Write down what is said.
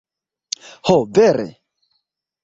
Ho, vere?